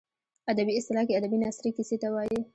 ادبي اصطلاح کې ادبي نثري کیسې ته وايي.